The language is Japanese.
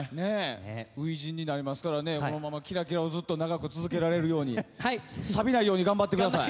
初陣になりますからきらきらを長く続けられるようにさびないように頑張ってください。